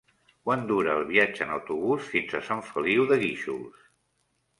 Quant dura el viatge en autobús fins a Sant Feliu de Guíxols?